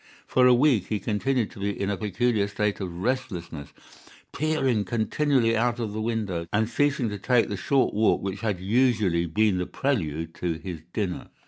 For a week he continued to be in a peculiar state of restlessness, peering continually out of the windows, and ceasing to take the short walk which had usually been the prelude to his dinner.